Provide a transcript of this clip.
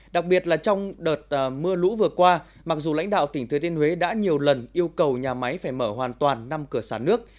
đặc biệt là trong đợt mưa lũ vừa qua mặc dù lãnh đạo tỉnh thừa thiên huế đã nhiều lần yêu cầu nhà máy phải mở hoàn toàn năm cửa sản nước